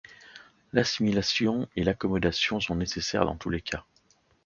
L'assimilation et l'accommodation sont nécessaires dans tous les cas.